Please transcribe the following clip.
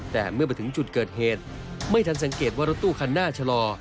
แต่เมื่อมาถึงจุดเกิดเหตุไม่ทันสังเกตว่ารถตู้คันหน้าชะลอ